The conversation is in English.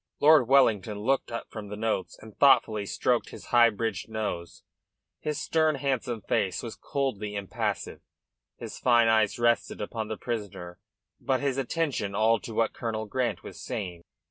Lord Wellington looked up from the notes and thoughtfully stroked his high bridged nose. His stern, handsome face was coldly impassive, his fine eyes resting upon the prisoner, but his attention all to what Colonel Grant was saying.